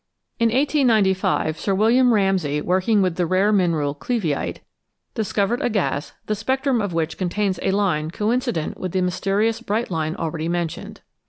In 1895 Sir William Ramsay, working with the rare mineral cleveite, discovered a gas the spectrum of which contains a line coincident with the mysterious bright line already mentioned.